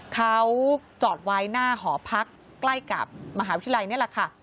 เขาจอดไว้หน้าหอพักใกล้กับมหาวิทยาลัยนี่แหละค่ะ